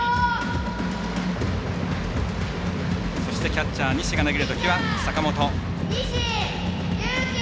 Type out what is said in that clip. キャッチャー、西が投げるときは坂本。